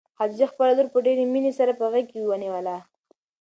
خدیجې خپله لور په ډېرې مینې سره په غېږ کې ونیوله.